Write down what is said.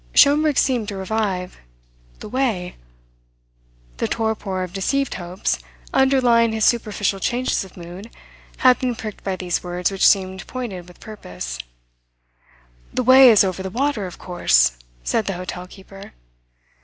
Schomberg seemed to revive. "The way?" The torpor of deceived hopes underlying his superficial changes of mood had been pricked by these words which seemed pointed with purpose. "The way is over the water, of course," said the hotel keeper.